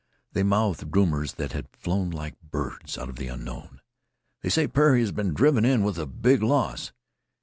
They mouthed rumors that had flown like birds out of the unknown. "They say Perry has been driven in with big loss."